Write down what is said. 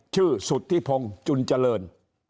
ชื่อสุธิพงศ์จุลเจริญ